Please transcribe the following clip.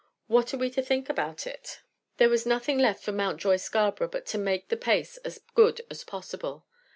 What are we to think about it?" There was nothing left for Mountjoy Scarborough but to make the pace as good as possible.